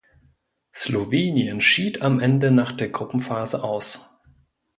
Slowenien schied am Ende nach der Gruppenphase aus.